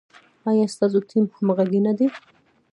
ایا ستاسو ټیم همغږی نه دی؟